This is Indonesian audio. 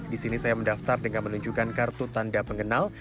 di sini saya mendaftar dengan menunjukkan kartu tanda pengenal